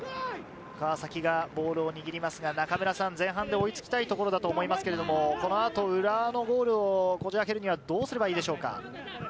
川崎がボールを握りますが、前半で追いつきたいところだと思いますけど、この後、浦和のゴールをこじあけるにはどうすればいいでしょうか？